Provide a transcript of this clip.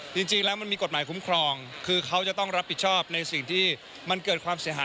จริงแล้วมันมีกฎหมายคุ้มครองคือเขาจะต้องรับผิดชอบในสิ่งที่มันเกิดความเสียหาย